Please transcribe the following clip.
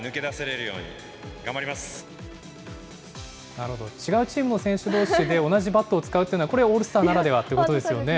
なるほど、違うチームの選手どうしで、同じバットを使うっていうのは、これ、オールスターならではということですよね。